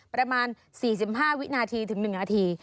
ประมาณ๔๕วินาทีถึง๑นาที